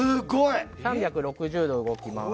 ３６０度、動きます。